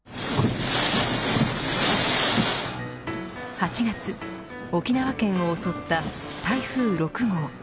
８月、沖縄県を襲った台風６号。